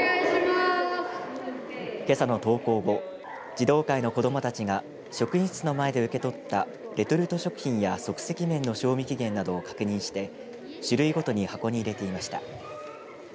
けさの登校後児童会の子どもたちが職員室の前で受け取ったレトルト食品や即席麺の賞味期限などを確認して種類ごとに箱に入れていました。